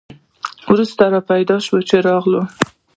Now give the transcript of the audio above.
وروسته را پیدا شول چې راغلل.